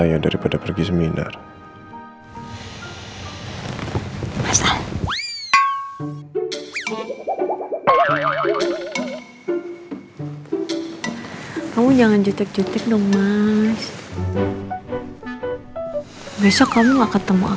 pakai pandang pandangan begitu